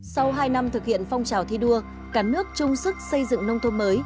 sau hai năm thực hiện phong trào thi đua cả nước chung sức xây dựng nông thôn mới